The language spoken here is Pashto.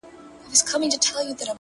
شېخ سره وښورېدی زموږ ومخته کم راغی؛